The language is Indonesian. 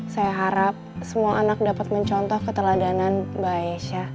saya harap semua anak dapat mencontoh keteladanan mbak aisyah